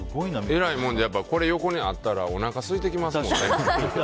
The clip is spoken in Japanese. えらいもんでこれ横にあったらおなかすいてきますもんね。